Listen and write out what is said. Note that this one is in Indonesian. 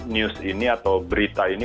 news ini atau berita ini